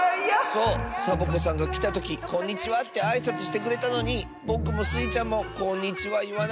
そうサボ子さんがきたとき「こんにちは」ってあいさつしてくれたのにぼくもスイちゃんも「こんにちは」いわなかったッス。